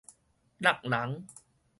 橐膿